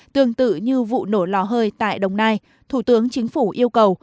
tương tự như vụ nổ lò hơi tại đồng nai thủ tướng chính phủ yêu cầu